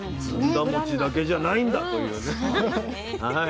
ずんだ餅だけじゃないんだというね。